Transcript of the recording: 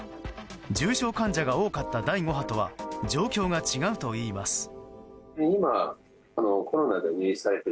重症患者が多かった第５波とは状況が違うといいます。